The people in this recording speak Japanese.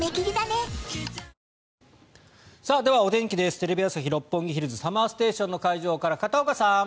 テレビ朝日・六本木ヒルズＳＵＭＭＥＲＳＴＡＴＩＯＮの会場から片岡さん。